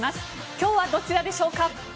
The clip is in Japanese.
今日はどちらでしょうか？